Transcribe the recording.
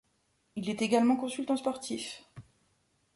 Il est également consultant sportif.